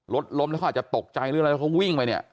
รถล้มแล้วเขาอาจจะตกใจหรืออะไรแล้วเขาวิ่งไปเนี่ย